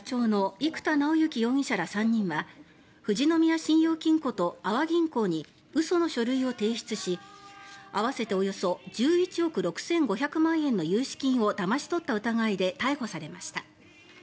生田尚之容疑者ら３人は富士宮信用金庫と阿波銀行に嘘の書類を提出し合わせておよそ１１億６５００万円の融資金をだまし取った疑いで逮捕されました。